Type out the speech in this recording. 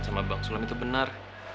sama bang sulam itu benar